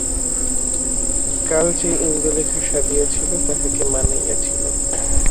কাল যে ইন্দুলেখা সাজিয়াছিল তাহাকে মানাইয়াছিল।